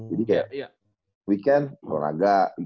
jadi kayak weekend olahraga gitu